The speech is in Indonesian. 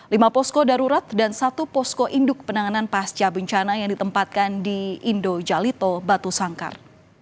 lima posko darurat dan satu posko induk penanganan pasca bencana yang ditempatkan di indo jalito batu sangkar